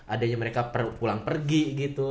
adanya mereka pulang pergi gitu